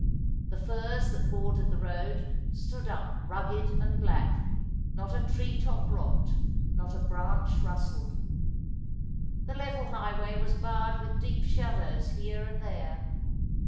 The firs that bordered the road stood up rugged and black; not a tree top rocked, not a branch rustled. The level highway was barred with deep shadows here and there.